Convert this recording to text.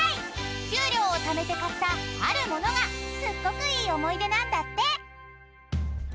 ［給料をためて買ったある物がすっごくいい思い出なんだって］